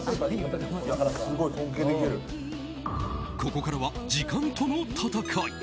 ここからは時間との闘い。